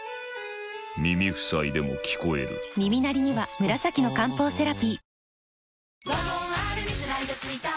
耳塞いでも聞こえる耳鳴りには紫の漢方セラピー